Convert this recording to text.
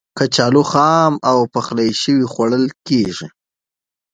کچالو خام او پخلی شوی خوړل کېږي.